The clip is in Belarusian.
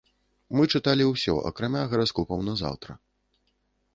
Мы чыталі ўсё акрамя гараскопаў на заўтра.